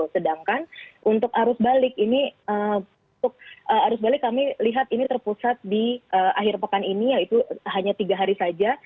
sedangkan untuk arus balik ini untuk arus balik kami lihat ini terpusat di akhir pekan ini yaitu hanya tiga hari saja